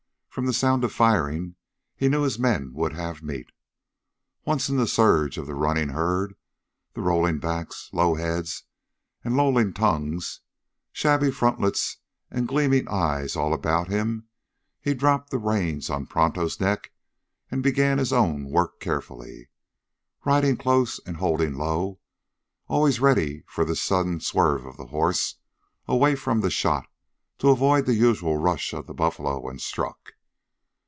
From the sound of firing he knew his men would have meat. Once in the surge of the running herd, the rolling backs, low heads and lolling tongues, shaggy frontlets and gleaming eyes all about him, he dropped the reins on Pronto's neck and began his own work carefully, riding close and holding low, always ready for the sudden swerve of the horse away from the shot to avoid the usual rush of the buffalo when struck.